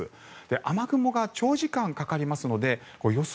雨雲が長時間かかりますので予想